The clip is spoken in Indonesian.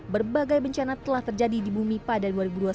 berbagai bencana telah terjadi di bumi pada dua ribu dua puluh satu